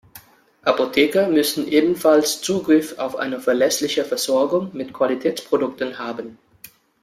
Apotheker müssen ebenfalls Zugriff auf eine verlässliche Versorgung mit Qualitätsprodukten haben.